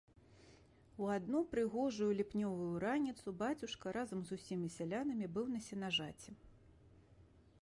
У адну прыгожую ліпнёвую раніцу бацюшка разам з усімі сялянамі быў на сенажаці.